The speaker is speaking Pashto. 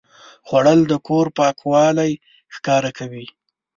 خوړل د کور پاکوالی ښکاره کوي